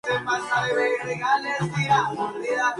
Algunos lenguajes llaman a esto "campos" o "miembros".